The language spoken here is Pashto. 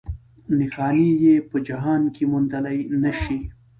نښانې یې په جهان کې موندلی نه شي.